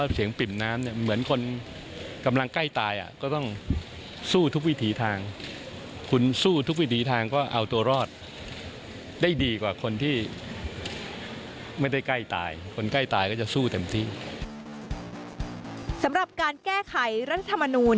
สำหรับการแก้ไขรัฐธรรมนูล